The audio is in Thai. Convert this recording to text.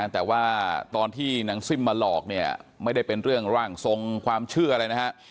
แต่ว่าตอนที่นางซิ่มมาหลอกเนี่ยไม่ได้เป็นเรื่องร่างทรงความเชื่ออะไรนะฮะ